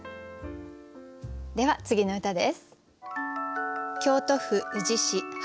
では次の歌です。